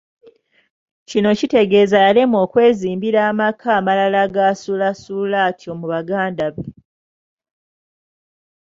Kino kitegeeza yalemwa okwezimbira amaka amala gasulaasula atyo mu baganda be.